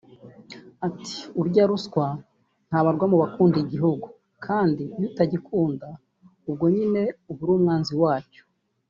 Ati”Urya ruswa ntabarwa mu bakunda igihugu kandi iyo utagikunda ubwo nyine uba uri umwanzi wacyo